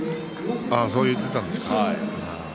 そう言っていたんですか。